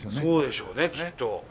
そうでしょうねきっと。